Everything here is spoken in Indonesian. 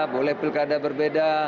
boleh pilkada berbeda